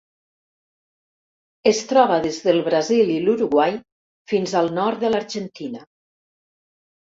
Es troba des del Brasil i l'Uruguai fins al nord de l'Argentina.